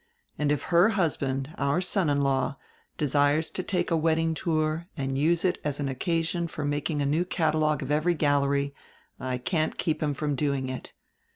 And if her husband, our son in law, desires to take a wedding tour and use it as an occasion for making a new catalogue of every gallery, I can't keep him from doing it.